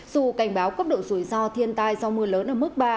dù cảnh báo cấp độ rủi ro thiên tai do mưa lớn ở mức ba